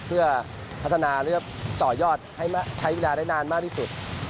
เพื่อพัฒนาหรือต่อยอดให้ใช้เวลาได้นานมากที่สุด